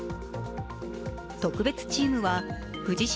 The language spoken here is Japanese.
特別チームは藤島